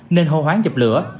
nên hô hoán dập lửa